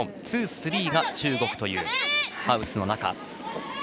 ツー、スリーが中国というハウスの中。